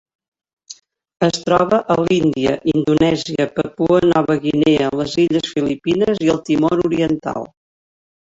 Es troba a l'Índia, Indonèsia, Papua Nova Guinea, les illes Filipines i el Timor Oriental.